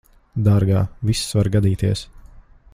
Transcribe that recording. Dārgā, viss var gadīties.